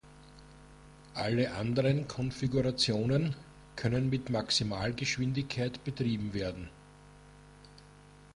Alle anderen Konfigurationen können mit Maximalgeschwindigkeit betrieben werden.